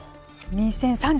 ２０３０。